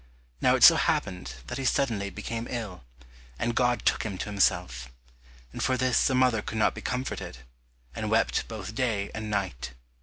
Now it so happened that he suddenly became ill, and God took him to himself; and for this the mother could not be comforted, and wept both day and night.